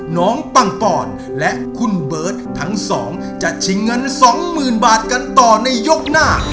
น้องปังปอนด์และคุณเบิร์ดทั้ง๒จะชิงเงิน๒หมื่นบาทกันต่อในยกหน้า